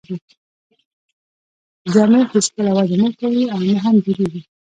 جامې هیڅکله وده نه کوي او نه هم لوییږي.